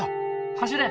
走れ！